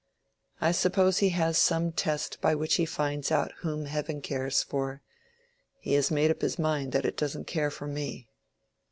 I suppose he has some test by which he finds out whom Heaven cares for—he has made up his mind that it doesn't care for me."